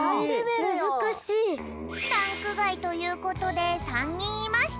ランクがいということで３にんいました。